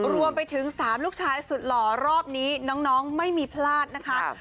รวมไปถึง๓ลูกชายสุดหล่อรอบนี้น้องไม่มีพลาดนะคะ